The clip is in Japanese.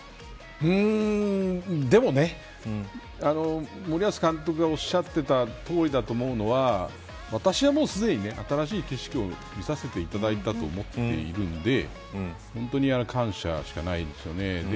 でもね、森保監督がおっしゃっていたとおりだと思うのは私は、もうすでに新しい景色を見させていただいたと思っているんで本当に感謝しかないですよね。